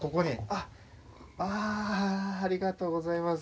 あっああありがとうございます。